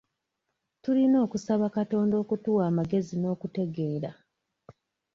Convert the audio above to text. Tulina okusaba Katonda okutuwa amagezi n'okutegeera.